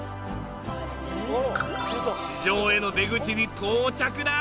地上への出口に到着だ！